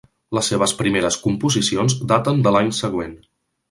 Les seves primeres composicions daten de l'any següent.